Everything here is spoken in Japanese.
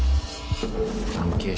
関係者